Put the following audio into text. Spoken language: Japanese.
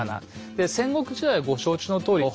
で戦国時代はご承知のとおり。